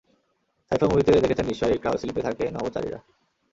Sci fi মুভিতে দেখেছেন নিশ্চয়ই, ক্রায়োস্লিপে থাকে নভোভারীরা।